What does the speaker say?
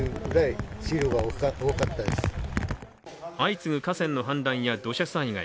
相次ぐ河川の氾濫や土砂災害。